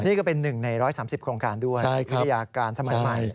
นี่ก็เป็นหนึ่งใน๑๓๐โครงการด้วยพฤติศาสตร์สมัยใหม่